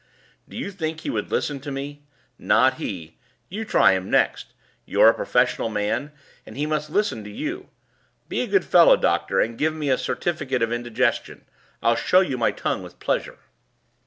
Do you think he would listen to me? Not he. You try him next; you're a professional man, and he must listen to you. Be a good fellow, doctor, and give me a certificate of indigestion; I'll show you my tongue with pleasure."